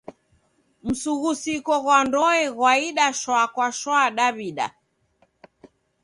Msughusiko ghwa ndoe ghwaida shwa kwa shwa Daw'ida.